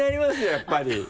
やっぱり。